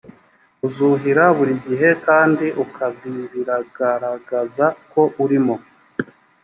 uzuhira buri gihe kandi ukazibiragaragaza ko urimo